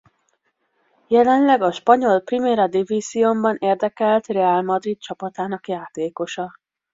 Jelenleg a spanyol Primera División-ban érdekelt Real Madrid csapatának játékosa.